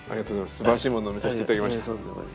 すばらしいものを見させて頂きました。